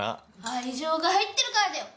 愛情が入ってるからだよ。